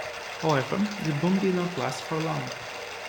However the boom did not last for long.